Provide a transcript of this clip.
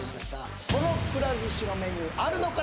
このくら寿司のメニューあるのか？